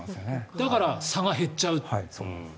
だから、差が減っちゃう。